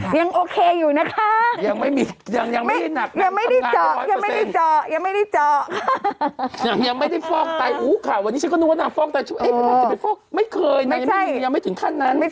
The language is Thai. ยังโอเคอยู่นะคะ